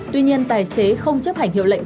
tuy nhiên tài xế không chấp hành hiệu lệnh